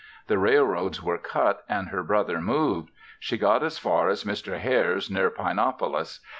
The railroads were cut, and her brother moved. She got as far as Mr. Hare's, near Pinopolis.